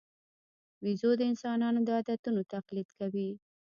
بیزو د انسانانو د عادتونو تقلید کوي.